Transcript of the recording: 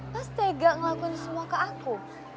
pas tega ngelakuin semua ke aku